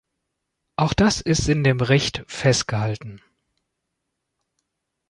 Auch das ist in dem Bericht festgehalten.